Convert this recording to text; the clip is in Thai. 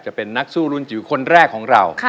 จะเป็นนักสู้รุ่นจิ๋วคนแรกของเรา